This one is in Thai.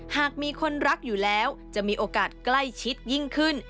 หากมีคนรักอยู่แล้วจะมีโอกาสใกล้ชิดยิ่งขึ้น